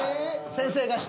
先生が下？